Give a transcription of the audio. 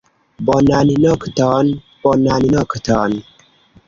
Bonan nokton, bonan nokton.